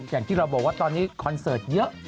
อย่างที่เราบอกว่าตอนนี้คอนเสิร์ตเยอะ